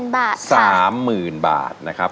๓๐๐๐๐บาทค่ะ๓๐๐๐๐บาทนะครับ